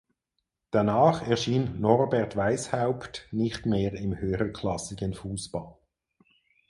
Danach erschien Norbert Weißhaupt nicht mehr im höherklassigen Fußball.